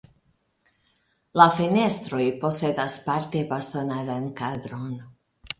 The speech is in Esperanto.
La fenestroj posedas parte bastonaran kadron.